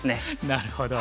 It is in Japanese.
なるほど。